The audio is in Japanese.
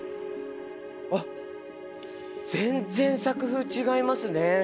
あっ全然作風違いますね。